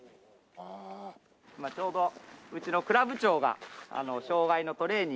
今ちょうどうちの倶楽部長が障害のトレーニングしてるんです。